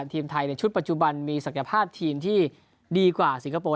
ทีมไทยในชุดปัจจุบันมีศักยภาพทีมที่ดีกว่าสิงคโปร์